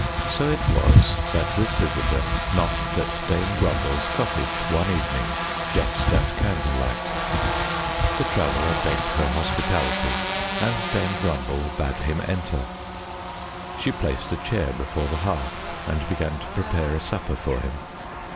So it was that this visitor knocked at Dame Grumble's cottage one evening just at candlelight. The Traveler begged her hospitality, and Dame Grumble bade him enter. She placed a chair before the hearth and began to prepare a supper for him.